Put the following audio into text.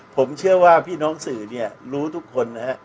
ผมเชื่อว่าพี่น้องสื่อเนี่ยรู้ทุกคนนะฮะ